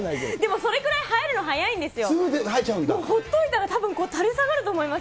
それぐらい、生えるの早いんですよ。